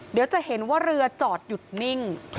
เดี๋ยวจะเห็นว่าเรือจอดหยุดนิ่ง